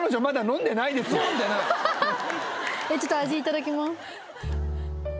飲んでないちょっと味いただきます